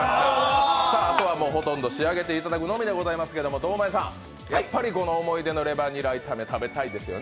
あとはほとんど仕上げていただくのみですけど堂前さん、やっぱり思い出のレバニラ炒め食べたいですよね。